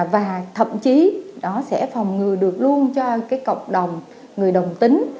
và thậm chí nó sẽ phòng ngừa được luôn cho cái cộng đồng người đồng tính